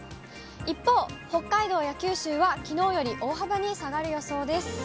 一方、北海道や九州はきのうより大幅に下がる予想です。